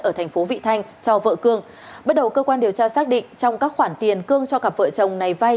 ở tp vị thanh cho vợ cương bắt đầu cơ quan điều tra xác định trong các khoản tiền cương cho cặp vợ chồng này vay